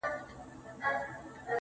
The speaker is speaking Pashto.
o دا مي سوگند دی.